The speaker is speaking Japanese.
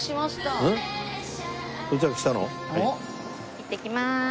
いってきまーす。